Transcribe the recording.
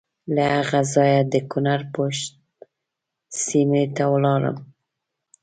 له هغه ځایه د کنړ پَشَت سیمې ته ولاړم.